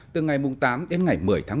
từ ngày tám đến ngày một mươi tháng bảy